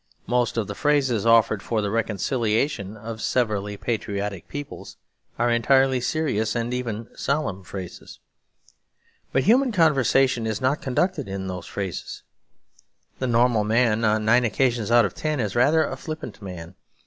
Most of the phrases offered for the reconciliation of severally patriotic peoples are entirely serious and even solemn phrases. But human conversation is not conducted in those phrases. The normal man on nine occasions out of ten is rather a flippant man.